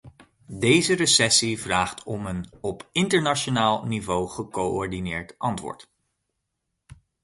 Deze recessie vraagt om een op internationaal niveau gecoördineerd antwoord.